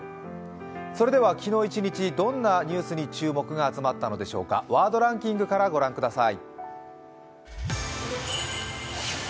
それでは昨日一日、どんなニュースに注目が集まったのでしょうか、ワードランキングからご覧ください。